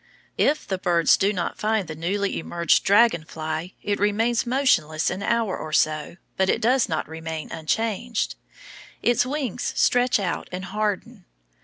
If the birds do not find the newly emerged dragon fly, it remains motionless an hour or so, but it does not remain unchanged. Its wings stretch out and harden.